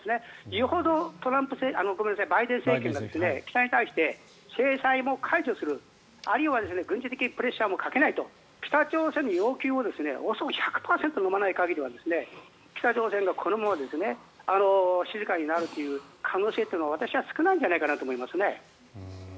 よほどバイデン政権が北に対して制裁も解除するあるいは軍事的プレッシャーもかけないと北朝鮮の要求を１００％のまない限りは北朝鮮がこのまま静かになるという可能性というのは私は少ないんじゃないかと思いますね。